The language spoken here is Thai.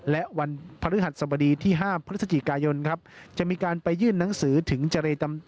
และวันพฤหัสสบดีที่๕พฤศจิกายนครับจะมีการไปยื่นหนังสือถึงเจร